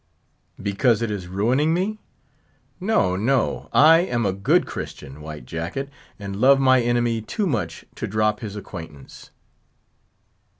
Because it is ruining me? No, no; I am a good Christian, White Jacket, and love my enemy too much to drop his acquaintance."